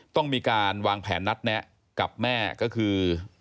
ต้องมีการวางแผนนัดแนะกับแม่ก็คือ